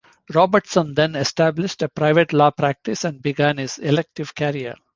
Robertson then established a private law practice and began his elective career.